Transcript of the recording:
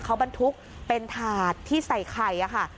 เขาบรรทุกเป็นถาดที่ใส่ไข่ค่ะ